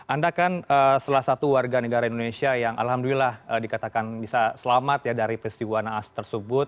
anda kan salah satu warga negara indonesia yang alhamdulillah dikatakan bisa selamat ya dari peristiwa naas tersebut